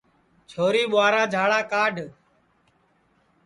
چھوری ٻُہارا جھاڑا کاڈؔ